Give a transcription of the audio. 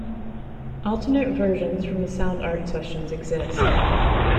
Alternate versions from the Sound Art sessions exist.